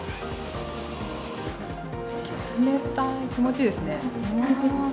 冷たい、気持ちいいですね。